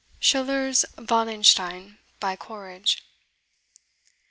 SCHILLER'S WALLENSTEIN, BY COLERIDGE.